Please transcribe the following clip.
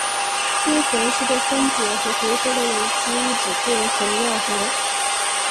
堆肥是被分解和回收的有机物质作为肥料和。